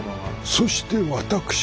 そして私。